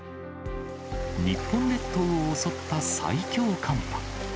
日本列島を襲った最強寒波。